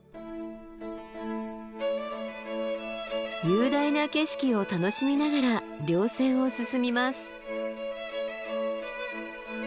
雄大な景色を楽しみながら稜線を進みます。